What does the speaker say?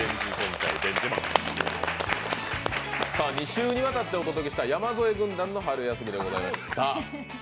２週にわたってお届けした山添軍団の春休みでした。